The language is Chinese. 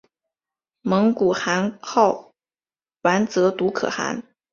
蒙古汗号完泽笃可汗。